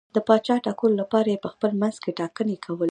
د پاچا ټاکلو لپاره یې په خپل منځ کې ټاکنې کولې.